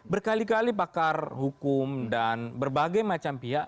berkali kali pakar hukum dan berbagai macam pihak